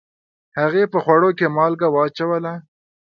هغې په خوړو کې مالګه واچوله